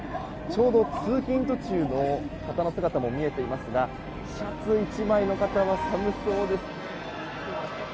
ちょうど通勤途中の方の姿も見えていますがシャツ１枚の方は寒そうです。